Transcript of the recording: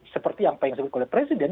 seperti yang paling sebut oleh presiden